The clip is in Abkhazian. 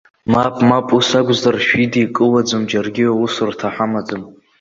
Мап, мап, ус акәзар шәидикылаӡом, џьаргьы аусурҭа ҳамаӡам!